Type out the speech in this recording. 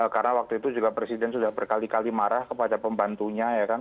karena waktu itu juga presiden sudah berkali kali marah kepada pembantunya ya kan